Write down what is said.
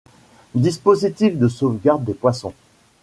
Dispositif de sauvegarde des poissons.